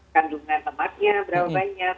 kandungan lemaknya berapa banyak